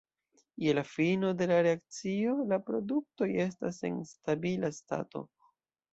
Je la fino de la reakcio la produktoj estas en stabila stato.